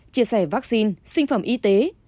chia sẻ vaccine sinh phẩm y tế